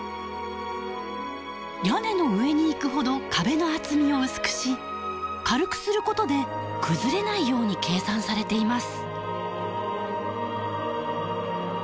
屋根の上にいくほど壁の厚みを薄くし軽くする事で崩れないように計算されています。